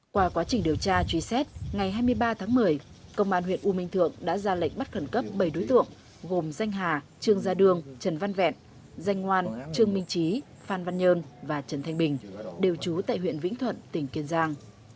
qua quá trình điều tra truy xét ngày hai mươi ba tháng một mươi công an huyện u minh thượng đã ra lệnh bắt khẩn cấp bảy đối tượng gồm danh hà trương gia đường trần văn vẹn danh ngoan trương minh trí phan văn nhơn và trần thanh bình đều trú tại huyện vĩnh thuận tỉnh kiên giang